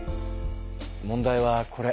問題はこれ。